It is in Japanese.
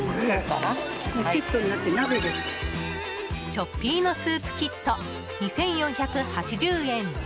チョッピ―ノスープキット２４８０円。